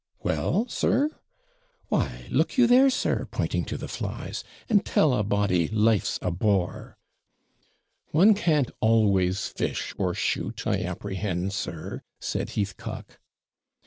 'Well, sir?' 'Why, look you there, sir,' pointing to the flies, 'and tell a body life's a bore.' 'One can't ALWAYS fish, or shoot, I apprehend, sir,' said Heathcock.